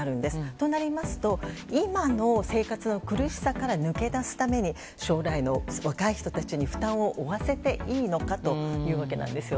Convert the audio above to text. となりますと今の生活の苦しさから抜け出すために将来の若い人たちに負担を負わせていいのかというわけなんです。